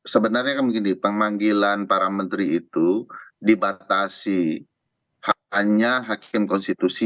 sebenarnya kan begini pemanggilan para menteri itu dibatasi hanya hakim konstitusi